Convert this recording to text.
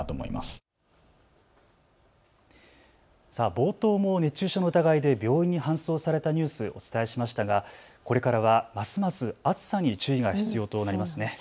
冒頭も熱中症の疑いで病院に搬送されたニュース、お伝えしましたがこれからはますます暑さに注意が必要となりますね。